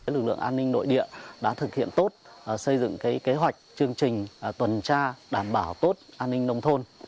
lực lượng an ninh nội địa đã thực hiện tốt xây dựng kế hoạch chương trình tuần tra đảm bảo tốt an ninh nông thôn